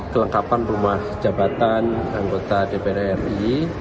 kelengkapan rumah jabatan anggota dpr ri